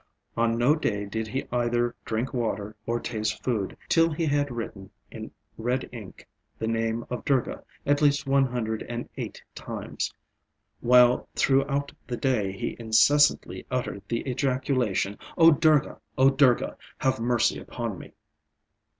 On no day did he either drink water or taste food till he had written in red ink the name of Durga at least one hundred and eight times; while throughout the day he incessantly uttered the ejaculation, "O Durga! O Durga! have mercy upon me."